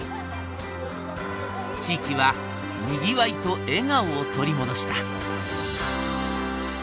地域はにぎわいと笑顔を取り戻した。